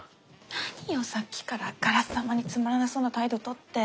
何よさっきからあからさまにつまらなそうな態度とって。